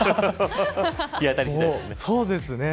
日当たり次第ですね。